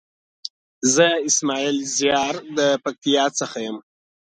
زه اسماعيل زيار د پکتيا څخه.